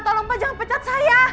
tolong pak jangan pecat saya